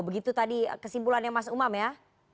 begitu tadi kesimpulannya mas umam ya